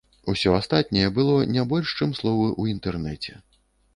Усё астатняе было не больш чым словы ў інтэрнэце.